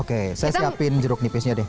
oke saya siapin jeruk nipisnya deh